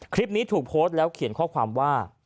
คลิปนี้ถูกโพสต์แล้วเขียนข้อความว่า